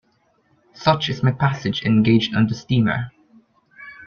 Such is my passage engaged on the steamer.